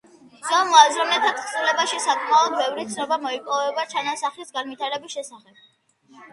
ძველ მოაზროვნეთა თხზულებებში საკმაოდ ბევრი ცნობა მოიპოვება ჩანასახის განვითარების შესახებ.